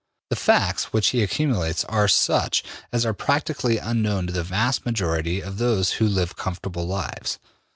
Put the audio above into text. The facts which he accumulates are such as are practically unknown to the vast majority of those who live comfortable lives.